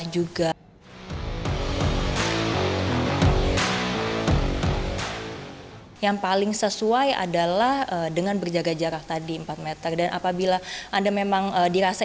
juga yang paling sesuai adalah dengan berjaga jarak tadi empat m dan apabila anda memang dirasa